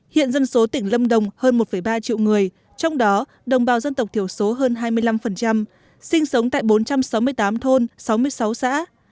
hiện dân số tỉnh lâm đồng hơn một ba triệu người trong đó đồng bào dân tộc thiểu số hơn hai mươi năm sinh sống tại bốn trăm sáu mươi tám thôn sáu mươi sáu xã